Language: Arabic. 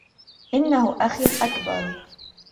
إنه أخي الأكبر.